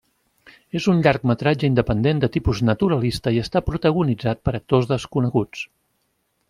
És un llargmetratge independent de tipus naturalista i està protagonitzat per actors desconeguts.